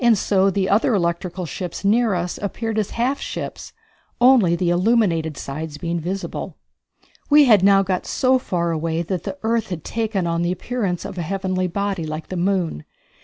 So the other electrical ships near us appeared as half ships, only the illuminated sides being visible. We had now got so far away that the earth had taken on the appearance of a heavenly body like the moon.